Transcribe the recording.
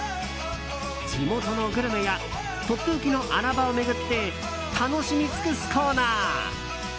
地元のグルメやとっておきの穴場を巡って楽しみつくすコーナー